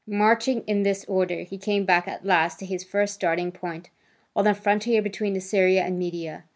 Marching in this order, he came back at last to his first starting point, on the frontier between Assyria and Media.